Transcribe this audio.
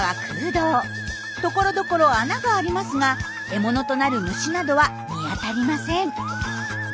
ところどころ穴がありますが獲物となる虫などは見当たりません。